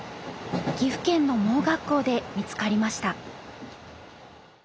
岐阜県の盲学校で見つかりました。